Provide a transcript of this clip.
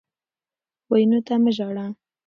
وینو ته مه ژاړه.